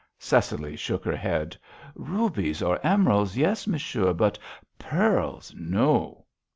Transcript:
Cecily shook her head. "Rubies or emeralds, yes, monsieur, but pearls, no."